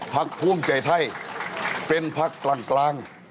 ภักดิ์ภูมิใจไทยเป็นภักดิ์กลาง